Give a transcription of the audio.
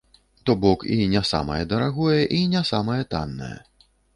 То бок і не самае дарагое, і не самае таннае.